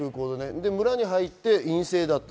村に入って陰性だった。